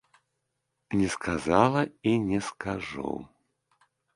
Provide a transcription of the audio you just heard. Не сказала і не скажу.